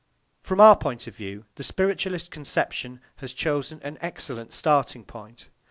From our point of view, the spiritualist conception has chosen an excellent starting point.